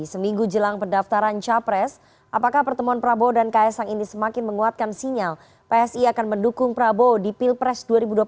seminggu jelang pendaftaran capres apakah pertemuan prabowo dan kaisang ini semakin menguatkan sinyal psi akan mendukung prabowo di pilpres dua ribu dua puluh